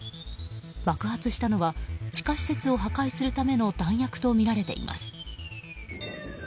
爆発したのは地下施設を破壊するための弾薬とみられています。